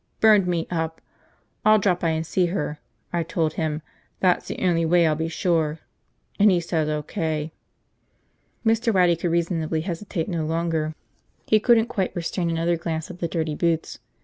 Burned me up! I'll drop by and see her, I told him, that's the only way I'll be sure. And he says O.K." Mr. Waddy could reasonably hesitate no longer. He couldn't quite restrain another glance at the dirty boots.